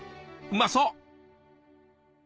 うまそう！